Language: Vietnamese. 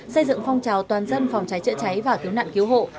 xây dựng phong trào toàn dân phòng cháy chữa cháy và cứu nạn cứu hộ